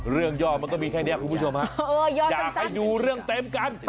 ย่อมันก็มีแค่นี้คุณผู้ชมฮะอยากให้ดูเรื่องเต็มกัน